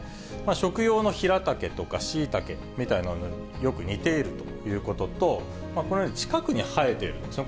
食用のヒラタケとかシイタケみたいなのによく似ているということと、このように近くに生えているんですね。